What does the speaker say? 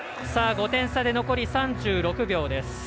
５点差で残り３６秒です。